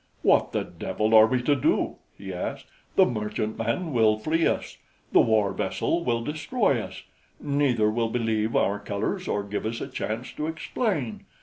"What the devil are we to do?" he asked. "The merchantman will flee us; the war vessel will destroy us; neither will believe our colors or give us a chance to explain.